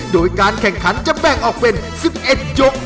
โดยการแข่งขันจะแบ่งออกเป็น๑๑ยก